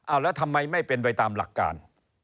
เอาแล้วทำไมไม่เป็นไปตามหลักการ